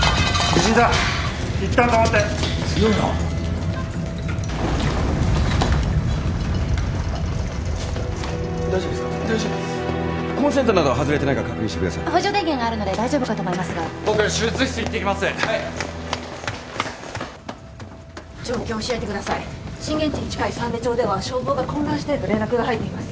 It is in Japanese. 震源地に近い山琶町では消防が混乱していると連絡が入っています。